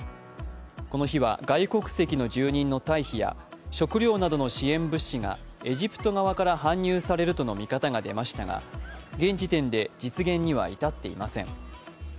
この日は外国籍の住人の退避や食料などの支援物資がエジプト側から搬入されるとの見方が出ましたが現時点で実現には至っていません。